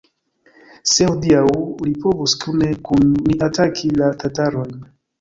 se hodiaŭ li povus kune kun ni ataki la tatarojn!